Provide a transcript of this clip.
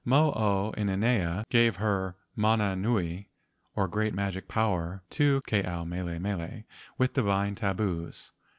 Mo o inanea gave her mana nui, or great magic power, to Ke ao mele mele—with divine tabus.